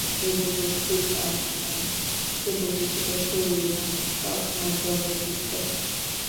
এদের বক্ষীয় পাখনা ছোট, কিছুটা সরু এবং পাখনার ডগা বৃত্তাকার।